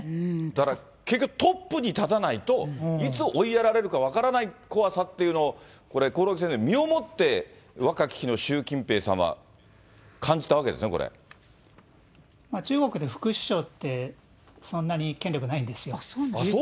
だから、結局トップに立たないと、いつ追いやられるか分からない怖さっていうのを、これ、興梠先生、身をもって若き日の習近中国で副首相って、そんなにそうなんですか。